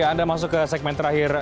anda masuk ke segmen terakhir